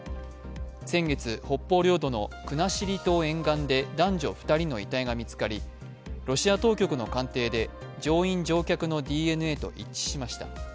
先月、北方領土の国後島沿岸で男女２人の遺体が見つかりロシア当局の鑑定で乗員・乗客のＤＮＡと一致しました。